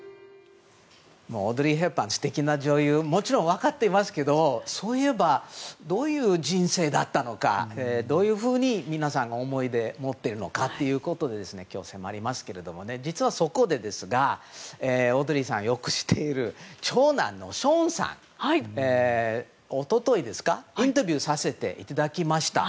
オードリー・ヘプバーン素敵な女優ともちろん分かっていますけどそういえばどういう人生だったのかどういうふうに、皆さんが思い出を持っているのかに今日は迫りますが実はそこでオードリーさんよく知っている長男のショーンさんに一昨日、インタビューさせていただきました。